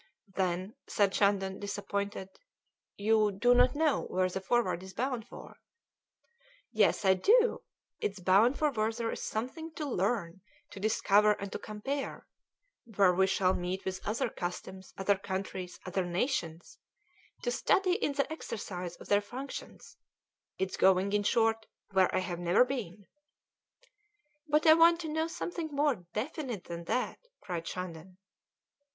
"Then," said Shandon, disappointed, "you do not know where the Forward is bound for?" "Yes, I do; it is bound for where there is something to learn, to discover, and to compare where we shall meet with other customs, other countries, other nations, to study in the exercise of their functions; it is going, in short, where I have never been." "But I want to know something more definite than that," cried Shandon.